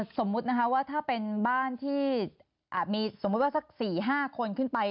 สมมุตินะคะว่าถ้าเป็นบ้านที่มีสมมุติว่าสัก๔๕คนขึ้นไป